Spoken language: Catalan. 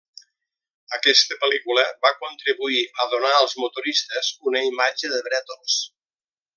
Aquesta pel·lícula va contribuir a donar als motoristes una imatge de brètols.